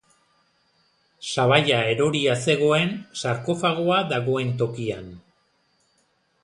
Sabaia eroria zegoen sarkofagoa dagoen tokian.